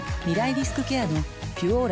リスクケアの「ピュオーラ」